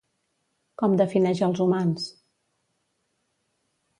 Com defineix als humans?